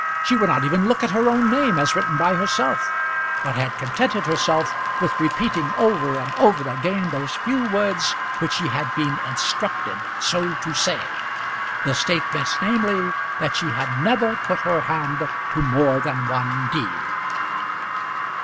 She would not even look at her own name as written by herself; but had contented herself with repeating over and over again those few words which she had been instructed so to say; the statement namely, that she had never put her hand to more than one deed.